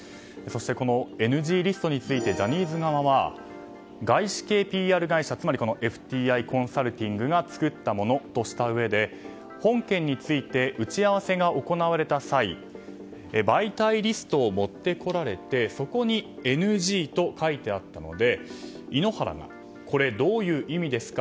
ＮＧリストについてジャニーズ側は外資系ＰＲ会社つまりＦＴＩコンサルティングが作ったものとして本件について打ち合わせが行われた際媒体リストを持ってこられてそこにＮＧと書いてあったので井ノ原がこれどういう意味ですか？